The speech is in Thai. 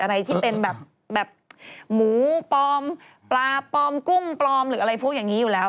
อะไรที่เป็นแบบหมูปลอมปลาปลอมกุ้งปลอมหรืออะไรพวกอย่างนี้อยู่แล้ว